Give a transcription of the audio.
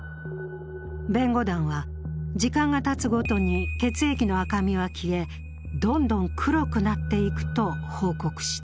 弁護団は時間がたつごとに血液の赤みは消え、どんどん黒くなっていくと報告した。